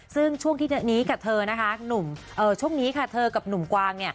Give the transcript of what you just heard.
ซึ่งช่วงที่นี้กับเธอนะคะช่วงนี้ค่ะเธอกับหนุ่มกวาง